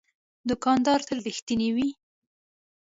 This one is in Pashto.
دوکاندار تل رښتینی وي.